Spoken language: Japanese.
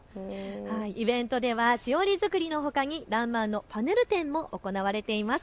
イベントではしおり作りのほかにらんまんのパネル展も行われています。